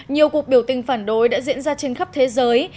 nhiều cuộc biểu tình phản đối đã diễn ra trên khắp thế giới